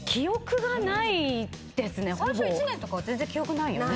ほぼ最初１年とか全然記憶ないよね